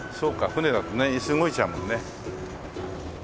船だとねイス動いちゃうもんね。